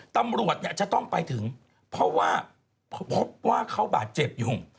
ตำรวจจะต้องไปถึงเพราะว่าเขาบาดเจ็บหยุ่ง